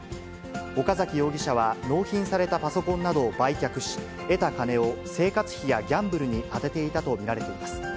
岡崎容疑者は納品されたパソコンなどを売却し、得た金を生活費やギャンブルに充てていたと見られています。